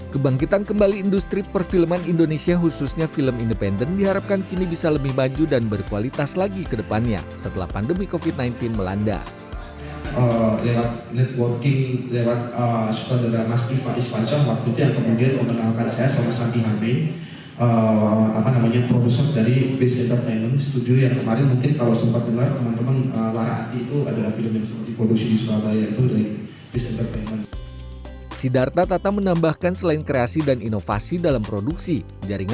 kebangkitan kembali industri perfilman indonesia khususnya film independen diharapkan kini bisa lebih maju dan berkualitas lagi ke depannya setelah pandemi covid sembilan belas melanda